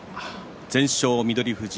全勝、翠富士。